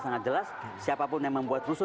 sangat jelas siapapun yang membuat rusuh